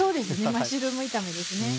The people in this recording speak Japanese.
マッシュルーム炒めですね。